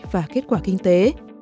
và kết quả kinh tế